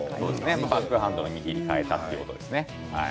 バックハンドの握りを変えたということですね。